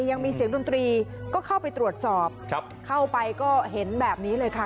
ยังมีเสียงดนตรีก็เข้าไปตรวจสอบครับเข้าไปก็เห็นแบบนี้เลยค่ะ